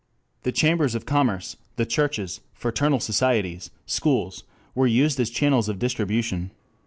The chambers of commerce, the churches, fraternal societies, schools, were used as channels of distribution.